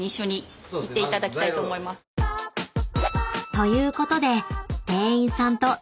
［ということで］